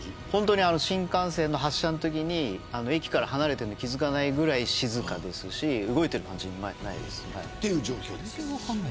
本当に新幹線の発車のときに駅から離れてるのに気付かないぐらい静かですし動いてる感じもないです。という状況です。